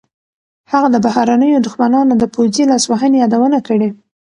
هغه د بهرنیو دښمنانو د پوځي لاسوهنې یادونه کړې.